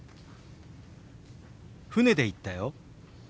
船で行ったよ。